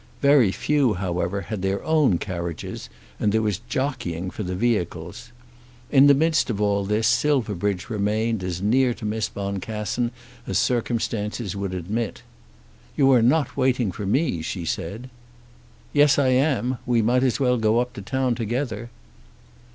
Very few, however, had their own carriages, and there was jockeying for the vehicles. In the midst of all this Silverbridge remained as near to Miss Boncassen as circumstances would admit. "You are not waiting for me," she said. "Yes, I am. We might as well go up to town together."